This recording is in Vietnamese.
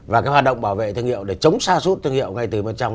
và cái hoạt động bảo vệ thương hiệu để chống xa rút thương hiệu ngay từ bên trong